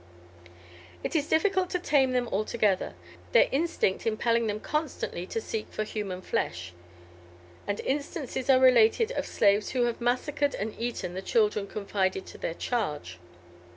"It is difficult to tame them altogether; their instinct impelling them constantly to seek for human flesh; and instances are related of slaves who have massacred and eaten the children confided to their charge.